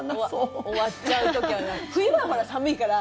冬はほら、寒いから。